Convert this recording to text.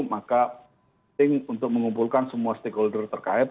maka penting untuk mengumpulkan semua stakeholder terkait